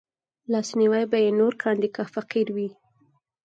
لاسنيوی به يې نور کاندي که فقير وي